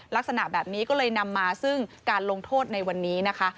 ลักษณะแบบนี้ก็เลยนำมาซึ่งการลงโทษในวันนี้นะคะ